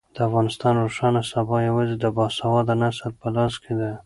د افغانستان روښانه سبا یوازې د باسواده نسل په لاس کې ده.